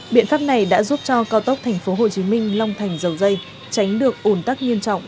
biện pháp này đã giúp cho cao tốc tp hcm long thành dầu dây tránh được ủn tắc nghiêm trọng